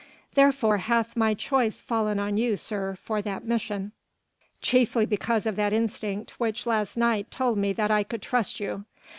Therefore hath my choice fallen on you, sir, for that mission, chiefly because of that instinct which last night told me that I could trust you.